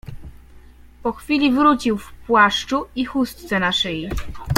"Po chwili wrócił w płaszczu i chustce na szyi."